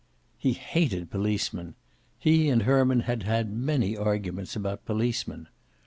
He hated policemen. He and Herman had had many arguments about policemen.